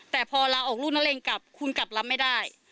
แต่พอลาออกลูกมะเร็งกลับคุณกลับรับไม่ได้